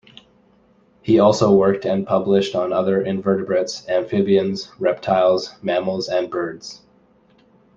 He also worked and published on other invertebrates, amphibians, reptiles, mammals and birds.